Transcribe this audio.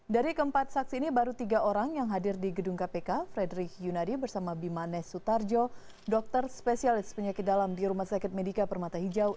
dari keempat saksi ini baru tiga orang yang hadir di gedung kpk frederick yunadi bersama bimanesh sutarjo dokter spesialis penyakit dalam di rumah sakit medika permata hijau